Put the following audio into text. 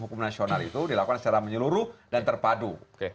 hukum nasional itu dilakukan secara menyeluruh dan terpadu